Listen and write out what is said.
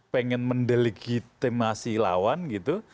pengen mendelegitimasi lawan gitu